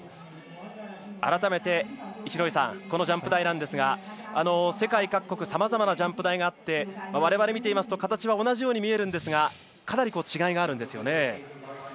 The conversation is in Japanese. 改めて、一戸さんこのジャンプ台なんですが世界各国さまざまなジャンプ台があってわれわれ、見ていますと形が同じように見えるんですがかなり違いがあるんですよね。